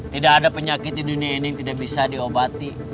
tidak ada penyakit di dunia ini yang tidak bisa diobati